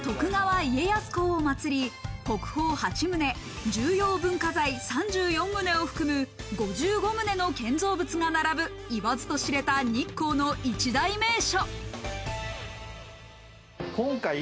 徳川家康公を祀り、国宝８棟、重要文化財３４棟を含む５５棟の建造物が並ぶいわずと知れた日光の一大名所。